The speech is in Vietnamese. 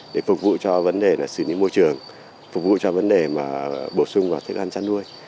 để phục vụ cho vấn đề xử lý môi trường phục vụ cho vấn đề mà bổ sung vào thức ăn chăn nuôi